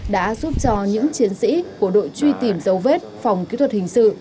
đã giúp cho những chiến sĩ của đội truy tìm dấu vết phòng kỹ thuật hình sự